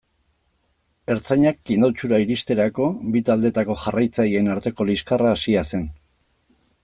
Ertzainak Indautxura iristerako, bi taldeetako jarraitzaileen arteko liskarra hasia zen.